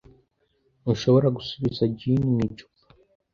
Ntushobora gusubiza gen mu icupa.